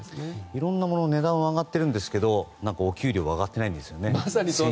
いろんな物の値段は上がっているんですがお給料は上がっていないんですよね